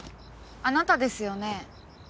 あなたですよね？